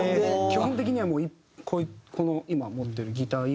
基本的にはこの今持ってるギター１本で。